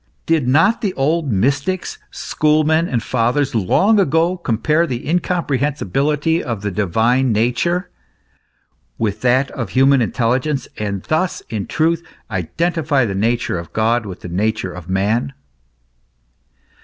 Did not the old mystics, schoolmen, and fathers, long ago compare the incomprehensibility of the divine nature with that of the human intelligence, and thus, in truth, identify the nature of God with the nature of man